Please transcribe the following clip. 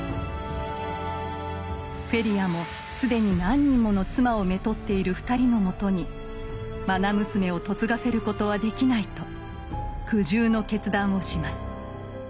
フェリアも既に何人もの妻をめとっている２人のもとにまな娘を嫁がせることはできないと苦渋の決断をします。